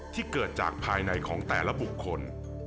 ที่เกิดจากภายในของแต่ละบุคคล